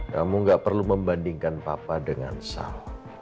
kamu gak perlu membandingkan papa dengan sal